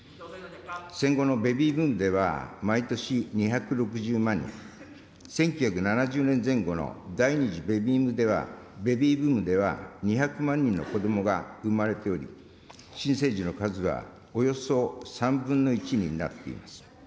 戦後のベビーブームでは毎年２６０万人、１９７０年前後の第２次ベビーブームでは、２００万人の子どもが産まれており、新生児の数はおよそ３分の１になっています。